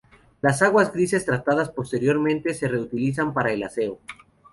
Las aguas grises tratadas posteriormente se reutilizan para el aseo.